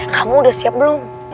kamu udah siap belum